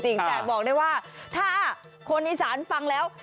แต่บอกได้ว่าถ้าคนอีสานฟังแล้ว